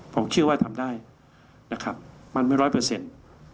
ผมเชื่อว่าทำได้นะครับมันไม่ร้อยเปอร์เซ็นต์